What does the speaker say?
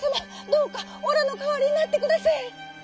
どうかおらのかわりになってくだせい」。